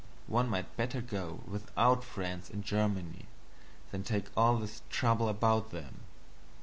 One might better go without friends in Germany than take all this trouble about them.